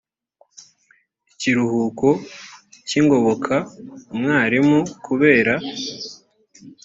ikiruhuko cy ingoboka umwarimu kubera